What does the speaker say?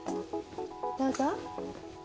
どうぞ。